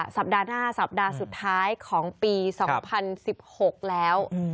สัปดาห์หน้าสัปดาห์สุดท้ายของปี๒๐๑๖แล้ว